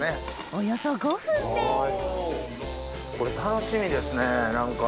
およそ５分でこれ楽しみですね何か。